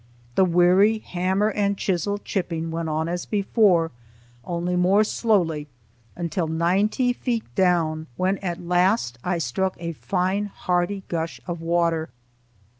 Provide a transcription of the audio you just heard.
The weary hammer and chisel chipping went on as before, only more slowly, until ninety feet down, when at last I struck a fine, hearty gush of water.